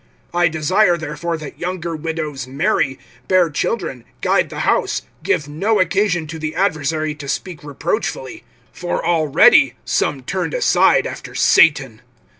(14)I desire therefore that younger widows marry, bear children, guide the house, give no occasion to the adversary to speak reproachfully. (15)For already, some turned aside after Satan.